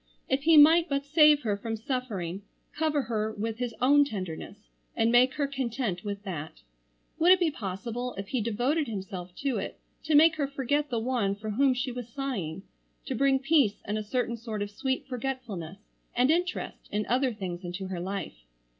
If he might but save her from suffering, cover her with his own tenderness and make her content with that. Would it be possible if he devoted himself to it to make her forget the one for whom she was sighing; to bring peace and a certain sort of sweet forgetfulness and interest in other things into her life?